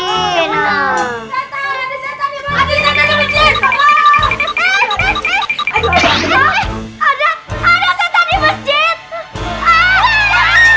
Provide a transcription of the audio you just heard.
ada setan di masjid